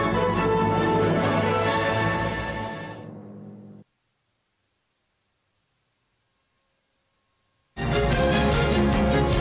sampai jumpa pak bobby